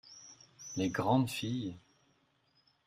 les grandes filles.